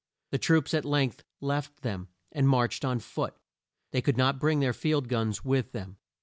The troops at length left them, and marched on foot. They could not bring their field guns with them.